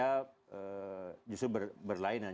tapi itu juga justru berlainan